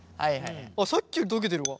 あっさっきより溶けてるわ。